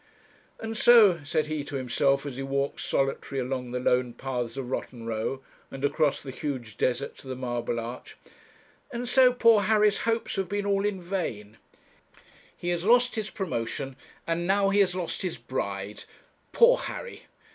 'And so,' said he to himself, as he walked solitary along the lone paths of Rotten Row, and across the huge desert to the Marble Arch, 'and so poor Harry's hopes have been all in vain; he has lost his promotion, and now he has lost his bride poor Harry!'